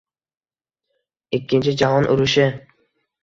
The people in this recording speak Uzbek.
Ikkinchi jahon urushi